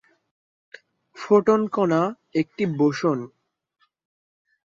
Photon কণা একটি boson.